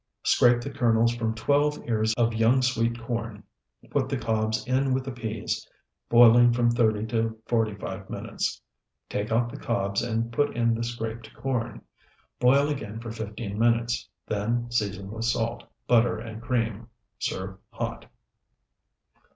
Scrape the kernels from twelve ears of young sweet corn. Put the cobs in with the peas, boiling from thirty to forty five minutes. Take out the cobs and put in the scraped corn. Boil again for fifteen minutes; then season with salt, butter and cream. Serve hot.